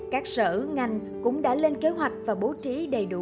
các sở ngành cũng đã lên kế hoạch và bố trí đầy đủ